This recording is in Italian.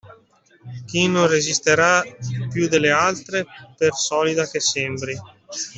Che non resisterà piú delle altre, per solida che sembri.